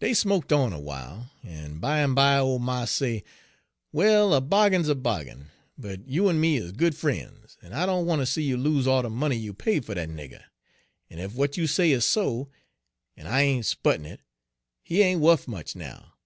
"Dey smoked on awhile, en bimeby ole mars say, 'Well, a bahgin's a bahgin, but you en me is good fren's, en I doan wan' ter see you lose all de money you paid fer dat nigger; en ef w'at you say is so, en I ain't 'sputin' it, he ain't wuf much now.